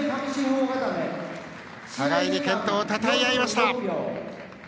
互いに健闘をたたえ合いました。